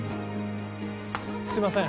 すいません